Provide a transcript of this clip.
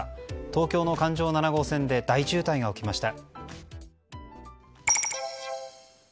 東京の環状７号線で大渋滞が起きました。